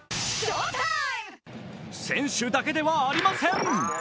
選手だけではありません。